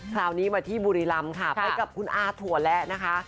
คราวนี้มาที่บุรีรำค่ะไปกับคุณอาถั่วและนะคะ